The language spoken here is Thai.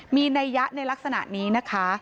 มีนัยยะในลักษณะนี้นะคะ